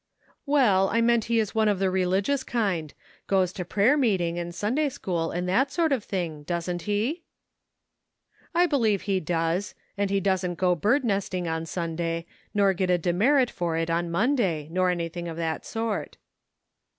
"Well, I meant he is one of the religious kind ; goes to prayer meeting and Sunday school and that sort of thing, doesn't he?" " I believe he does, and he doesn't go bird nesting on Sunday, nor get a demerit for it on Monday, nor anything of that sort."